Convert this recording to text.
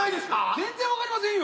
全然分かりませんよ。